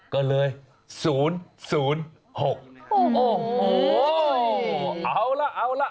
ก็เลย๐๐๖โอ้โหเอาล่ะเอาล่ะ